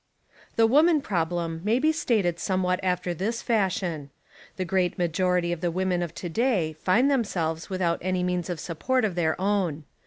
The woman problem may be stated some what after this fashion. The great majority of the women of to day find themselves without any means of support of their own.